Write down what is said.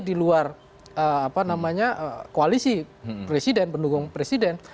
di luar koalisi presiden pendukung presiden